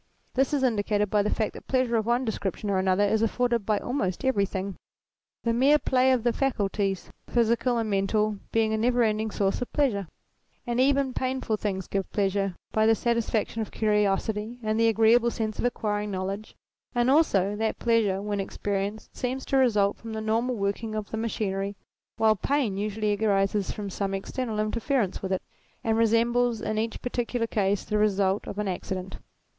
This is indicated by the fact that pleasure of one description or another is afforded by almost everything, the mere play of the faculties, physical and mental, being a never ending source of pleasure, and even painful things giving pleasure by the satisfaction of curiosity and the agreeable sense of acquiring knowledge ; and also that pleasure, when experienced, seems to result from the normal working of the machinery, while pain usually arises from some external interference with it, and resembles in each particular case the result of an accident.